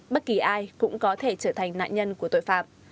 bất kỳ ai cũng có thể trở thành nạn nhân của tội phạm